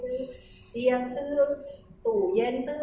หรือเป็นอะไรที่คุณต้องการให้ดู